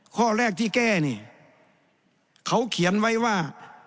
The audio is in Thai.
ข้อแรกที่แก้เนี่ยเขาเขียนไว้ว่า